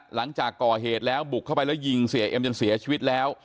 หลังจากก่อเหตุแล้วบุกเข้าไปแล้วยิงเสียเอ็มจนเสียชีวิตแล้ว